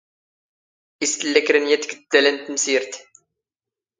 ⵉⵙ ⵜⵍⵍⴰ ⴽⵔⴰ ⵏ ⵢⴰⵜ ⴳ ⵜⴷⴰⵍⴰ ⵏ ⵜⵎⵙⵉⵔⴷⵜ?